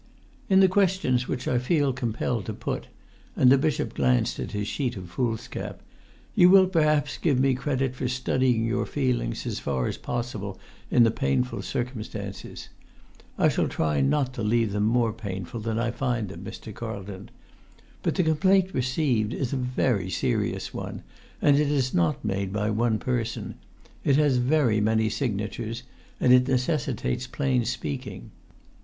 "In the questions which I feel compelled to put"—and the bishop glanced at his sheet of foolscap—"you will perhaps give me credit for studying your feelings as far as is possible in the painful circumstances. I shall try not to leave them more painful than I find them, Mr. Carlton. But the complaint received is a very serious one, and it is not made by one person; it has very many signatures; and it necessitates plain speaking.